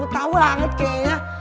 betah banget kayaknya